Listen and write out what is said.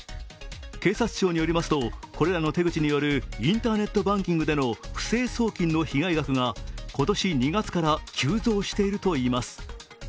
警察庁によりますと、これらの手口によるインターネットバンキングでの不正送金の被害額が今年２月から急増しているといいます。